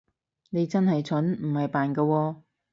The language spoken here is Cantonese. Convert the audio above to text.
你係真蠢，唔係扮㗎喎